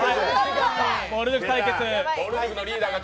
ぼる塾対決！